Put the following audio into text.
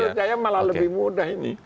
menurut saya malah lebih mudah ini